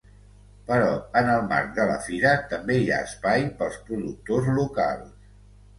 Però en el marc de la fira també hi ha espai pels productors locals.